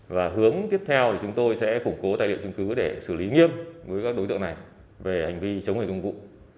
và hướng tiếp theo thì chúng tôi sẽ củng cố tài liệu chứng cứ để xử lý nghiêm với các đối tượng này về hành vi chống người công vụ